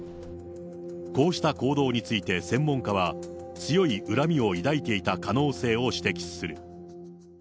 こうした行動について専門家は、強い恨みを抱いていた可能性を指摘する。